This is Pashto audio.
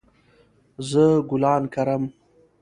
زه ګلان کرم